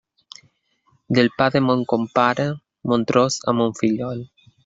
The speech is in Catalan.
Del pa de mon compare, bon tros a mon fillol.